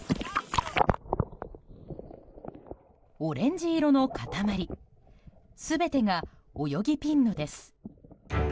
オレンジ色の固まり全てがオヨギピンノです。